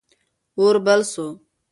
اور بل سو.